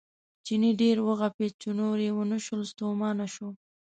چیني ډېر وغپېد چې نور یې ونه شول ستومانه شو.